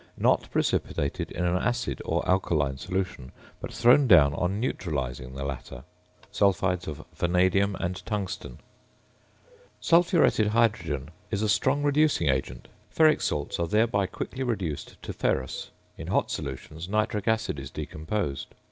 Not precipitated in an acid or alkaline solution, but thrown down on neutralising the latter. Sulphides of V and W. Sulphuretted hydrogen is a strong reducing agent. Ferric salts are thereby quickly reduced to ferrous; in hot solutions nitric acid is decomposed.